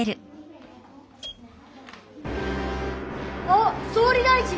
あっ総理大臣。